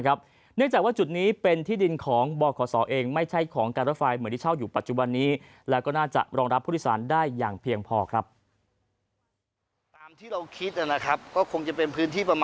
เนื่องจากว่าจุดนี้เป็นที่ดินของบขศเองไม่ใช่ของการรถไฟเหมือนที่เช่าอยู่ปัจจุบันนี้แล้วก็น่าจะรองรับผู้โดยสารได้อย่างเพียงพอครับ